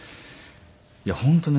いや本当ね